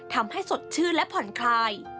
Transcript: ทำให้สดชื่นและผ่อนคลาย